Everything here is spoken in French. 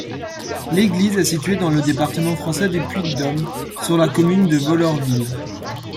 L'église est située dans le département français du Puy-de-Dôme, sur la commune de Vollore-Ville.